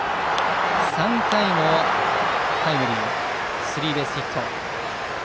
３回のタイムリースリーベースヒット。